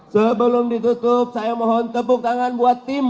sebelum ditutup saya mohon tepuk tangan buat tim